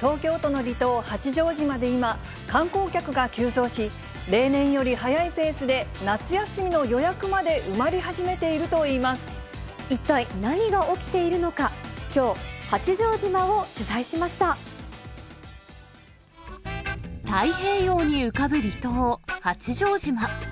東京都の離島、八丈島で今、観光客が急増し、例年より早いペースで夏休みの予約まで埋まり始めているといいま一体何が起きているのか、きょう、太平洋に浮かぶ離島、八丈島。